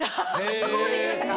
そこまでいきましたか。